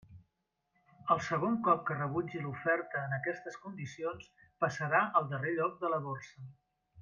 El segon cop que rebutgi l'oferta en aquestes condicions passarà al darrer lloc de la borsa.